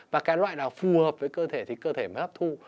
và cái loại nào phù hợp với cơ thể thì cơ thể mới hấp thu